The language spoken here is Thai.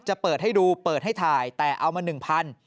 จะเปิดให้ดูเปิดให้ถ่ายแต่เอามา๑๐๐บาท